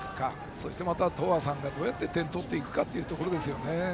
そして東亜さんがどうやって点を取っていくかというところですよね。